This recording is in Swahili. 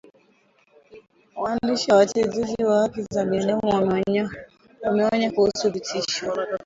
waandishi na watetezi wa haki za binadamu wameonya kuhusu vitisho